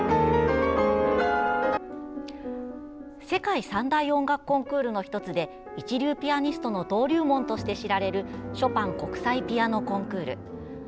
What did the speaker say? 世界三大音楽コンクールの１つで一流ピアニストの登竜門として知られるショパン国際ピアノコンクール。